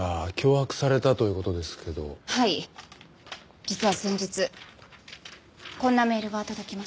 実は先日こんなメールが届きました。